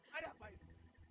ada apa itu